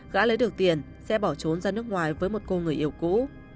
gá lấy được tiền sẽ bỏ trốn ra nước ngoài với một cô người yêu cũ